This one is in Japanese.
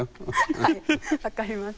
はい分かります。